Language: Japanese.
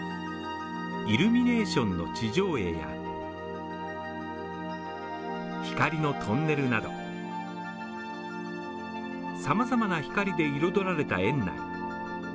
イルミネーションの地上絵やトンネルなど様々な光で彩られた園内。